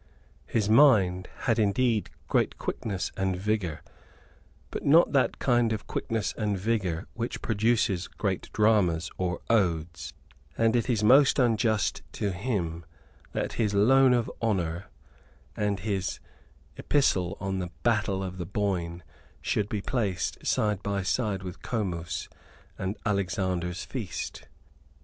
His mind had indeed great quickness and vigour, but not that kind of quickness and vigour which produces great dramas or odes; and it is most unjust to him that his loan of Honour and his Epistle on the Battle of the Boyne should be placed side by side with Comus and Alexander's Feast.